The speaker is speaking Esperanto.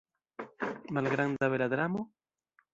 Malgranda bela dramo?